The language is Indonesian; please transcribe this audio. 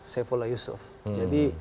saifullah yusuf jadi